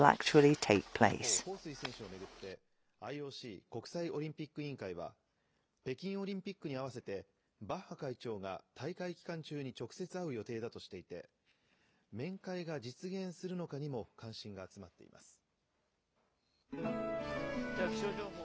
一方、彭帥選手を巡って、ＩＯＣ・国際オリンピック委員会は、北京オリンピックに合わせて、バッハ会長が大会期間中に直接会う予定だとしていて、面会が実現するのかにも関心が集まっています。